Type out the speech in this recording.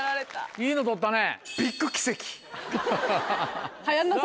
いいの取ったね。